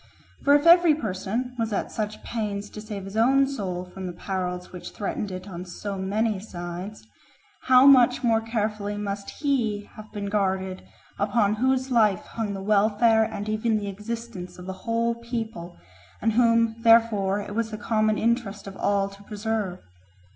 For if every person was at such pains to save his own soul from the perils which threatened it on so many sides, how much more carefully must he have been guarded upon whose life hung the welfare and even the existence of the whole people, and whom therefore it was the common interest of all to preserve?